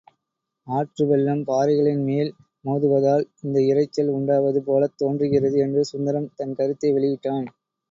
ஆற்று வெள்ளம் பாறைகளின்மேல் மோதுவதால் இந்த இரைச்சல் உண்டாவது போலத் தோன்றுகிறது என்று சுந்தரம் தன் கருத்தை வெளியிட்டான்.